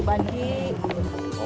bawang putih banji